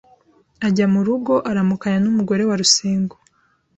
ajya mu rugo aramukanya n’umugore wa Rusengo